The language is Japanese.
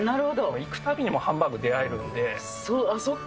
行くたびにハンバーグ出会えそっか。